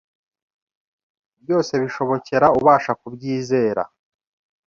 Byose bishobokera ubasha ku byizera